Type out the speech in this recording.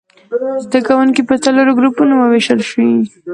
زده کوونکي په څلورو ګروپونو ووېشل شي.